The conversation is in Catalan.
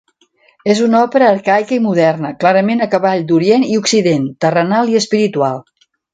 És una òpera arcaica i moderna, clarament a cavall d'orient i occident, terrenal i espiritual.